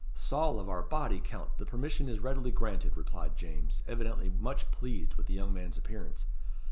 "Saul of our body, Count, the permission is readily granted," replied James, evidently much pleased with the young man's appearance.